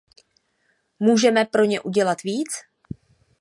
Můžeme pro ně udělat víc?